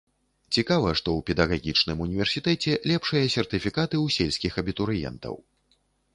Цікава, што ў педагагічным універсітэце лепшыя сертыфікаты ў сельскіх абітурыентаў.